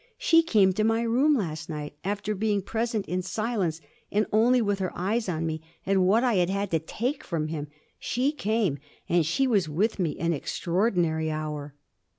'She came to my room last night, after being present, in silence and only with her eyes on me, at what I had had to take from him: she came and she was with me an extraordinary hour.'